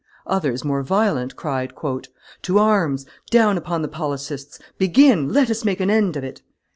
Others, more violent, cried, "To arms! Down upon the policists! Begin! Let us make an end of it!"